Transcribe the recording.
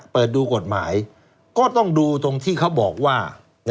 เปิดดูกฎหมายก็ต้องดูตรงที่เขาบอกว่า